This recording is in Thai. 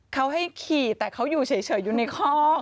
เขาให้ขี่แต่เขาอยู่เฉยอยู่ในคอก